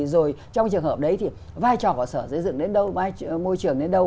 rồi trong trường hợp đấy thì vai trò của sở giới dựng đến đâu vai môi trường đến đâu